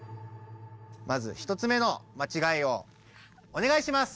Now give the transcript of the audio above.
まず１つ目のまちがいをおねがいします。